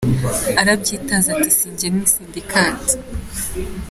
Arabyitaza ati si jye ni syndicat.